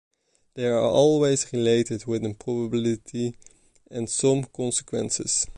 They are always related with a probability and some consequences.